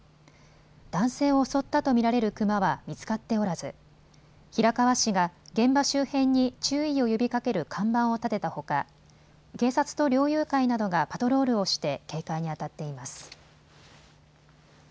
男性を襲ったと見られるクマは見つかっておらず平川市が現場周辺に注意を呼びかける看板を立てたほか警察と猟友会などがパトロールをして警戒にあたっています。